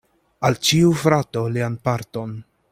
Al ĉiu frato lian parton.